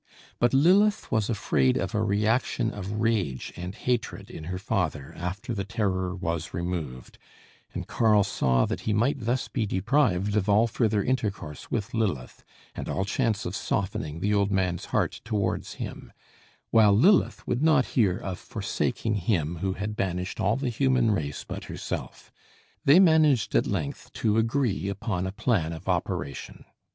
But Lilith was afraid of a reaction of rage and hatred in her father after the terror was removed; and Karl saw that he might thus be deprived of all further intercourse with Lilith, and all chance of softening the old man's heart towards him; while Lilith would not hear of forsaking him who had banished all the human race but herself. They managed at length to agree upon a plan of operation.